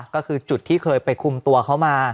ก็คือจุดที่เคยไปคุมตัวเขามา